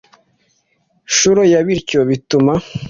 nshuro ya Bityo bituma